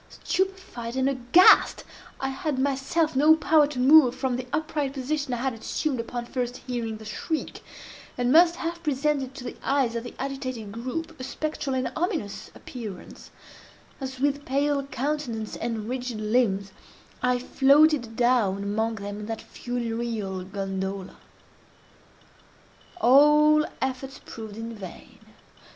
Stupefied and aghast, I had myself no power to move from the upright position I had assumed upon first hearing the shriek, and must have presented to the eyes of the agitated group a spectral and ominous appearance, as with pale countenance and rigid limbs, I floated down among them in that funereal gondola. All efforts proved in vain.